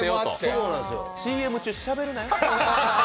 ＣＭ中、しゃべるなよ。